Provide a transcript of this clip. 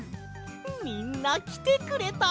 みんなきてくれた！